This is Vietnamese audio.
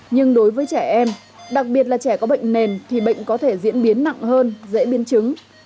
nhưng đối với trẻ em đặc biệt là trẻ có bệnh nền thì bệnh có thể diễn biến nặng hơn dễ biên chứng